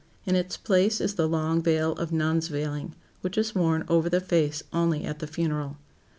In its place is the long veil of nun's veiling, which is worn over the face only at the funeral.